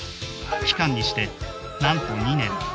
期間にしてなんと２年。